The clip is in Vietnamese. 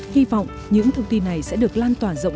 hy vọng những thông tin này sẽ được lan toàn